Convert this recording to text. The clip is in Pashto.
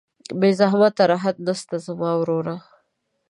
بې زحمته راحت نسته زما وروره